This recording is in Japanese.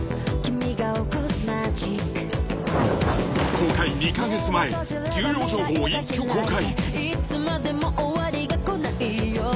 ［公開２カ月前重要情報を一挙公開］